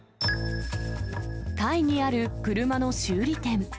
タイにある車の修理店。